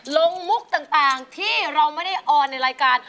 มุกต่างที่เราไม่ได้ออนในรายการ